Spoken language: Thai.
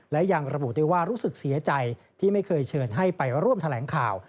และยังระบุได้ว่ารู้สึกเสียใจที่ไม่เคยเชิญให้ไปร่วมแถลงข่าว